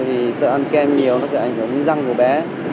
thì sợ ăn kem nhiều nó sẽ ảnh hưởng đến răng của bé